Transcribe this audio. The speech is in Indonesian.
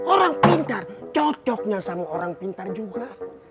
orang pintar cocoknya sama orang pintar juga